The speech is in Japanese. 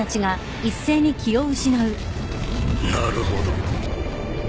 なるほど。